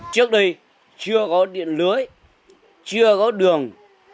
trước đây chưa có điện lưới chưa có đường